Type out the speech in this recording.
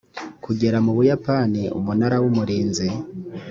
kugera mu buyapani umunara w’umurinzi